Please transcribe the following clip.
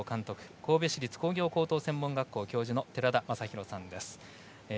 神戸市立工業高等専門学校教授の寺田雅裕さんです。